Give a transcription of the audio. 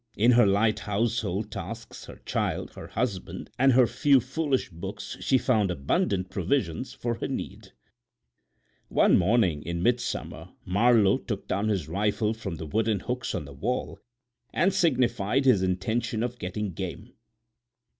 In her light household tasks, her child, her husband and her few foolish books, she found abundant provision for her needs. One morning in midsummer Marlowe took down his rifle from the wooden hooks on the wall and signified his intention of getting game.